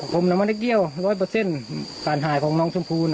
ผมน้ำมะนักเกี้ยวร้อยเปอร์เซ็นต์การหายของน้องชมพูน่ะ